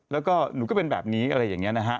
แล้วก็หนูก็เป็นแบบนี้อะไรอย่างนี้นะฮะ